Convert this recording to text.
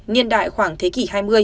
điên đại khoảng thế kỷ hai mươi